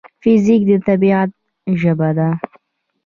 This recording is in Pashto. فزیک د طبیعت ژبه ده.